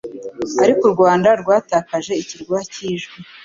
Ariko u Rwanda rwatakaje ikirwa cy' ijwi,